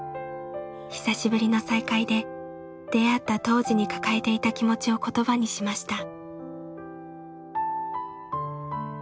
久しぶりの再会で出会った当時に抱えていた気持ちを言葉にしました。